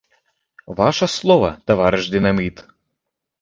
Ваша слова, таварыш дынаміт!